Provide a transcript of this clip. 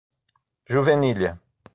Juvenília